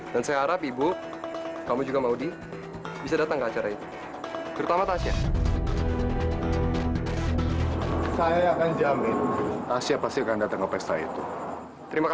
terima kasih banyak pak